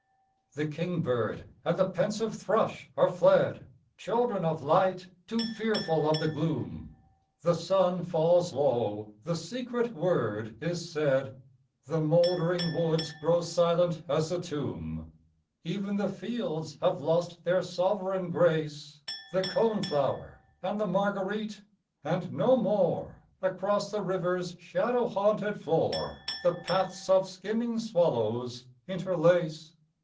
The kingbird and the pensive thrush are fled, Children of light, too fearful of the gloom; The sun falls low, the secret word is said, The mouldering woods grow silent as the tomb; Even the fields have lost their sovereign grace, The cone flower and the marguerite; and no more, Across the river's shadow haunted floor, The paths of skimming swallows interlace.